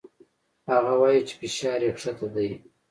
هغه وايي چې فشار يې کښته ديه.